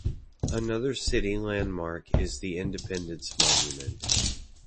Another city landmark is the independence monument.